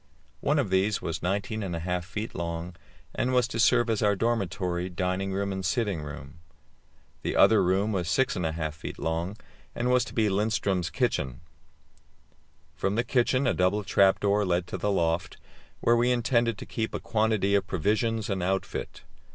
One of these was 19 1/2 feet long, and was to serve as our dormitory, dining room, and sitting room; the other room was 6 1/2 feet long, and was to be Lindström's kitchen. From the kitchen a double trap door led to the loft, where we intended to keep a quantity of provisions and outfit.